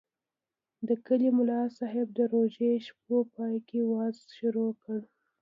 د کلي ملاصاحب د روژې شپو پای کې وعظ شروع کاوه.